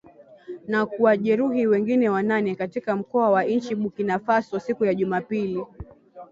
Na kuwajeruhi wengine wanane katika mkoa wa nchini Burkina Faso siku ya Jumapili.